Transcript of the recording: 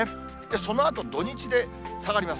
そのあと土日で下がります。